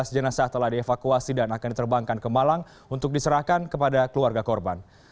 sebelas jenazah telah dievakuasi dan akan diterbangkan ke malang untuk diserahkan kepada keluarga korban